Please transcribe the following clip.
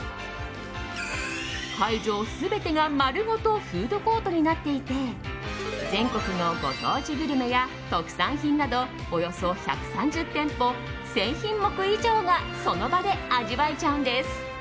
会場全てが、丸ごとフードコートになっていて全国のご当地グルメや特産品などおよそ１３０店舗１０００品目以上がその場で味わえちゃうんです。